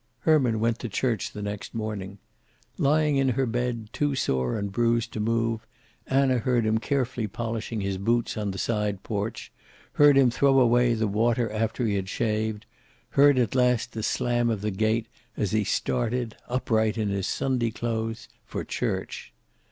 Herman went to church the next morning. Lying in her bed, too sore and bruised to move, Anna heard him carefully polishing his boots on the side porch, heard him throw away the water after he had shaved, heard at last the slam of the gate as he started, upright in his Sunday clothes, for church.